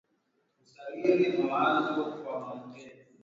Kompyuta yangu inaaribika